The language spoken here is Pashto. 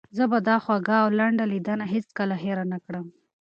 زه به دا خوږه او لنډه لیدنه هیڅکله هېره نه کړم.